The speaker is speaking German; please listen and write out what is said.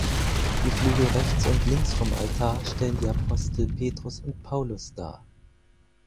Die Flügel rechts und links vom Altar stellen die Apostel Petrus und Paulus dar.